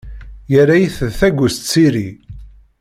Yerra-iyi-t d tagust s iri.